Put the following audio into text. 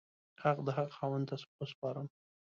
حق د حق خاوند ته وسپارم.